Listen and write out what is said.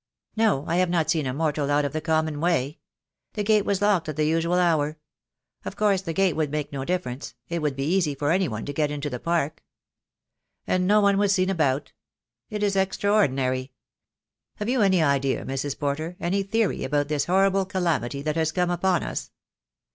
"No, I have not seen a mortal out of the common way. The gate was locked at the usual hour. Of course the gate would make no difference — it would be easy for any one to get into the park." "And no one was seen about? It is extraordinary. Have you any idea, Mrs. Porter, any theory about this horrible calamity that has come upon us?"